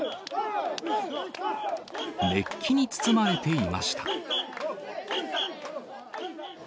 熱気に包まれていました。